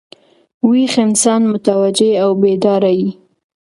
ویښ انسان متوجه او بیداره يي.